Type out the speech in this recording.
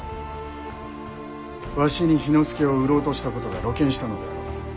わしに氷ノ介を売ろうとしたことが露見したのであろう。